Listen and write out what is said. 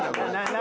何？